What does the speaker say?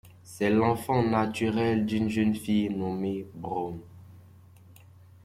C'est l'enfant naturel d'une jeune fille nommée Braun.